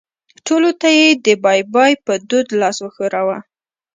ټولو ته یې د بای بای په دود لاس وښوراوه.